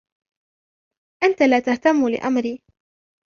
انت لا تهتم لامري